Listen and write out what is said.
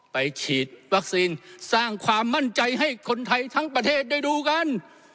ฉีดวัคซีนสร้างความมั่นใจให้คนไทยทั้งประเทศได้ดูกัน